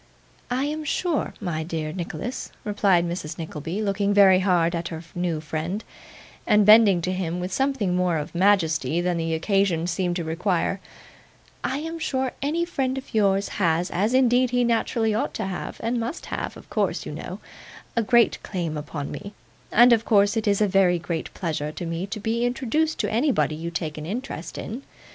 'I am sure, my dear Nicholas,' replied Mrs. Nickleby, looking very hard at her new friend, and bending to him with something more of majesty than the occasion seemed to require: 'I am sure any friend of yours has, as indeed he naturally ought to have, and must have, of course, you know, a great claim upon me, and of course, it is a very great pleasure to me to be introduced to anybody you take an interest in.